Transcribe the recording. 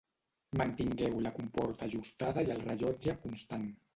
Mantingueu la comporta ajustada i el rellotge constant.